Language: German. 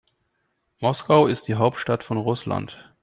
Moskau ist die Hauptstadt von Russland.